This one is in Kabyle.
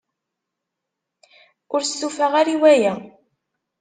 Ur stufaɣ ara i waya.